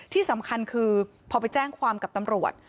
ที่สำคัญคือพอไปแจ้งความกับตำรวจ